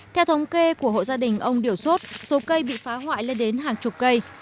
theo thống kê của hộ gia đình ông điều sốt số cây bị phá hoại lên đến hàng chục cây